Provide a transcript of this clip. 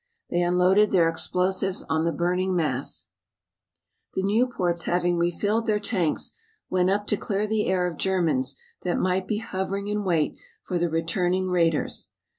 They unloaded their explosives on the burning mass. The Nieuports having refilled their tanks went up to clear the air of Germans that might be hovering in wait for the returning raiders.